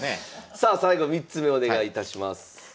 さあ最後３つ目お願いいたします。